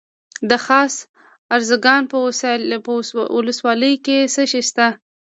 د خاص ارزګان په ولسوالۍ کې څه شی شته؟